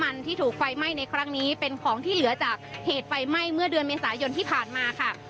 มันที่ถูกไฟไหม้ในครั้งนี้เป็นของที่เหลือจากเหตุไฟไหม้เมื่อเดือนเมษายนที่ผ่านมาค่ะ